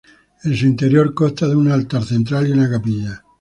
En su interior consta de un altar central y una capilla.